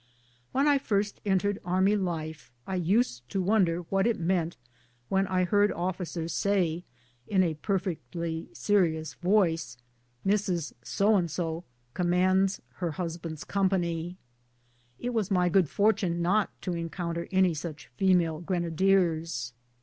When I first entered army life I used to wonder what it meant when I heard officers say, in a perfectly serious voice, "Mrs. commands her husband's company." It was my good fortune not to encounter any such fe male grenadiers.